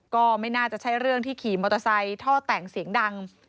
ก็ไม่น่าจะใช่เรื่องที่ขี่มอเตอร์ไซค์ท่อแต่งเสียงดัง